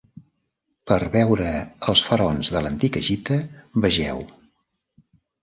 Per veure els faraons de l'antic Egipte vegeu: